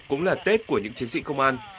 cũng là tết của những chiến sĩ công an